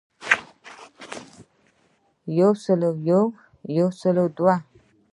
يو سل او يو يو سل او دوه